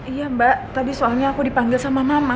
iya mbak tadi soalnya aku dipanggil sama mama